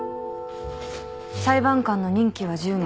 裁判官の任期は１０年。